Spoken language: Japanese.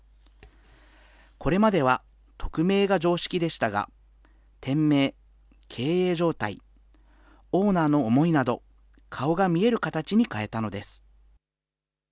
これまでは匿名が常識でしたが、店名、経営状態、オーナーの思いなど、顔が見える形に変えたのです。